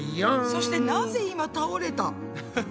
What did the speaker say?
そしてなぜ今倒れた？